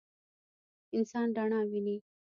انسان رڼا ویني.